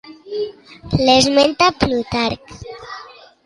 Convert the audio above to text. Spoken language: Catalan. L'esmenta Plutarc.